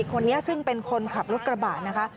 คนนี้ซึ่งเป็นคนขับรถกระบะนะคะ